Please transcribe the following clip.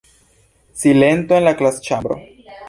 Silento en la klasĉambro.